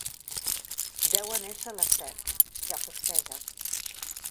Deuen ésser les set: ja fosqueja.